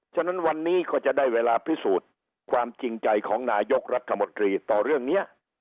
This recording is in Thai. ฉะนั้นวันนี้ก็จะได้เวลาพิสูจน์ความจริงใจของนายกรัฐมนตรีต่อเรื่องนี้